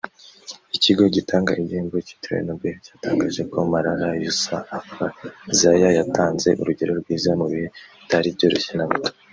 Ikigo gitanga igihembo cyitiriwe Nobel cyatangaje ko Malala Yousafzay yatanze urugero rwiza mu bihe bitari byoroshye na gato